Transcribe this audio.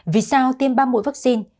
vì sao tiêm ba mũi vaccine